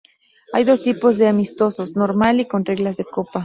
Hay dos tipos de amistosos: normal y con reglas de copa.